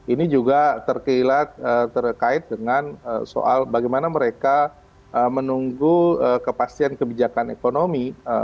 ini juga terkilat terkait dengan soal bagaimana mereka menunggu kepastian kebijakan ekonomi